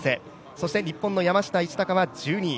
そして日本の山下一貴は１２位。